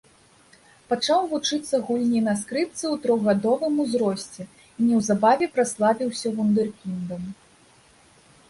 Пачаў вучыцца гульні на скрыпцы ў трохгадовым узросце і неўзабаве праславіўся вундэркіндам.